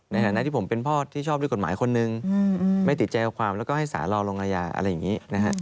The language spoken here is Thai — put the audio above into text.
ในฐานะที่ผมเป็นพ่อที่ชอบด้วยกฎหมายคนนึงไม่ติดใจเอาความแล้วก็ให้สารรอลงอาญาอะไรอย่างนี้นะฮะ